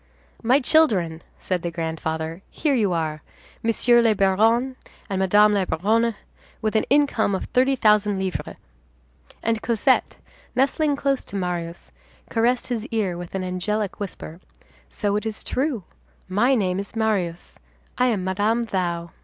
"My children," said the grandfather, "here you are, Monsieur le Baron and Madame la Baronne, with an income of thirty thousand livres." And Cosette, nestling close to Marius, caressed his ear with an angelic whisper: "So it is true. My name is Marius. I am Madame Thou."